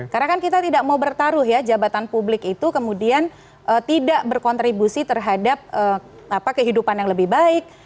karena kan kita tidak mau bertaruh ya jabatan publik itu kemudian tidak berkontribusi terhadap kehidupan yang lebih baik